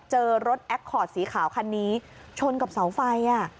เจอรถแอคคอร์ดสีขาวคันนี้ชนกับเสาไฟ